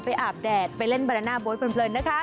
ไปอาบแดดไปเล่นบรรณาโบนบลล์นะคะ